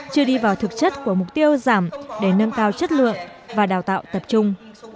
chưa đi vào thực chất của mục tiêu giảm để nâng cao chất lượng và đào tạo tập trung